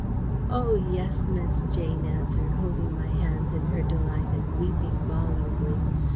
"Oh! yes, miss," Jane answered, holding my hands in her delight and weeping volubly.